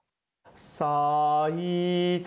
「さいた」